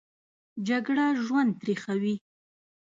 جګړه ژوند تریخوي